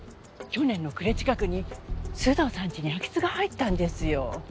去年の暮れ近くに須藤さんちに空き巣が入ったんですよ。